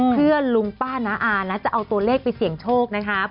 เพื่อลุงป้าน้าอานะจะเอาตัวเลขไปเสี่ยงโชคนะคะ